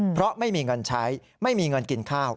เพราะไม่มีเงินใช้ไม่มีเงินกินข้าว